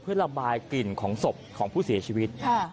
เพื่อระบายกลิ่นของศพของผู้เสียชีวิต